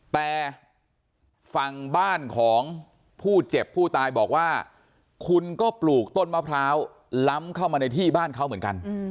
แต่ฝั่งบ้านของผู้เจ็บผู้ตายบอกว่าคุณก็ปลูกต้นมะพร้าวล้ำเข้ามาในที่บ้านเขาเหมือนกัน